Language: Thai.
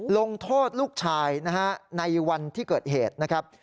ลงโทษลูกชายนะฮะในวันที่เกิดเหตุนะครับ